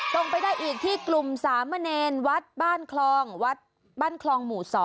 ไปได้อีกที่กลุ่มสามเณรวัดบ้านคลองวัดบ้านคลองหมู่๒